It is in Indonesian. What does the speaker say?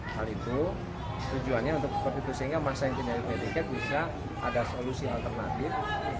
hal itu tujuannya untuk sehingga masa yang dinilai punya tiket bisa ada solusi alternatif